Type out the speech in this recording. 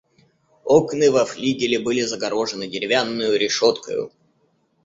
Окны во флигеле были загорожены деревянною решеткою.